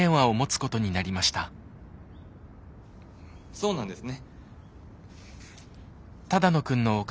そうなんですね。